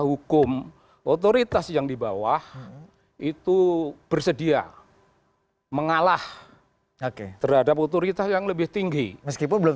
hukum otoritas yang di bawah itu bersedia mengalah terhadap otoritas yang lebih tinggi meskipun belum